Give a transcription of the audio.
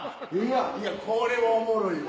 これはおもろいわ。